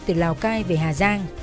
từ lào cai về hà giang